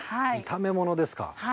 炒め物ですか。